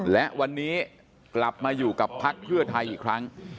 และวันนี้กลับมาอยู่กับพักเพื่อไทยอีกครั้ง